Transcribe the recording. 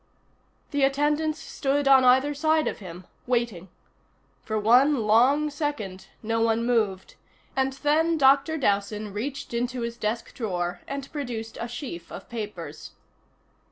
The attendants stood on either side of him, waiting. For one long second no one moved, and then Dr. Dowson reached into his desk drawer and produced a sheaf of papers.